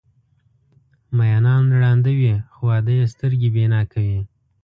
مینان ړانده وي خو واده یې سترګې بینا کوي.